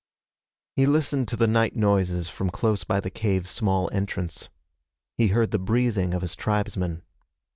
He listened to the night noises from close by the cave's small entrance. He heard the breathing of his tribesmen.